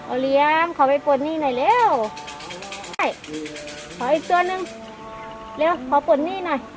เอาเลี้ยงขอไปปลดหนี้หน่อยเร็วใช่ขออีกตัวหนึ่งเร็วขอปลดหนี้หน่อย